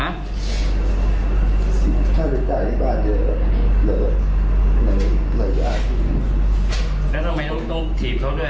ถ้าเป็นต่างจากพี่บ้านจะเหลือและทำไมต้องต้องขีบเขาด้วยอ่ะ